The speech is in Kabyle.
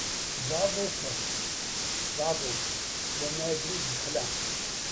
D aḍu kan d aḍu, wama abrid yexla.